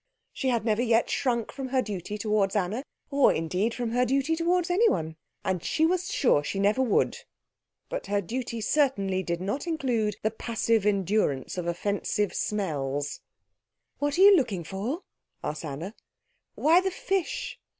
She had never yet shrunk from her duty towards Anna, or indeed from her duty towards anyone, and she was sure she never would; but her duty certainly did not include the passive endurance of offensive smells. "What are you looking for?" asked Anna. "Why, the fish."